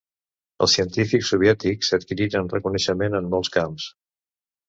Els científics soviètics adquiriren reconeixement en molts camps.